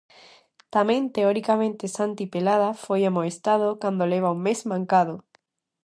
Tamén teoricamente Santi Pelada foi amoestado, cando leva un mes mancado.